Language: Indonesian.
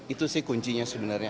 itu sih kuncinya sebenarnya